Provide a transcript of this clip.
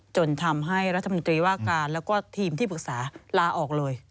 จนทำให้รัฐมนตรีว่าการแล้วก็ทีมที่ปรึกษาลาออกเลย